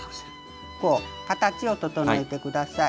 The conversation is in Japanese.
こう形を整えてください。